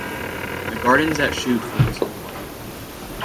The gardens at Shute focus on water.